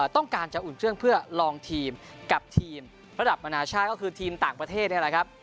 ต้องการจะอุ่นเครื่องเพื่อลองทีมกับทีมระดับนานาชาติก็คือทีมต่างประเทศนี่แหละครับ